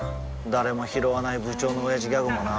誰もひろわない部長のオヤジギャグもな